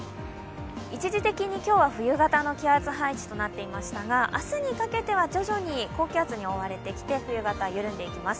一時的に今日は冬型の気圧配置となっていましたが明日にかけては徐々に高気圧に覆われてきて冬型が緩んでいきます。